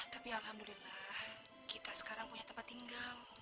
tapi alhamdulillah kita sekarang punya tempat tinggal